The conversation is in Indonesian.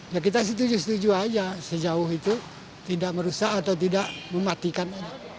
ya kita setuju setuju aja sejauh itu tidak merusak atau tidak mematikan